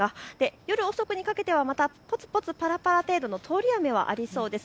夜遅くにかけてはぽつぽつぱらぱら程度の通り雨はありそうです。